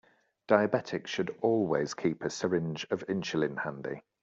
Diabetics should always keep a syringe of insulin handy.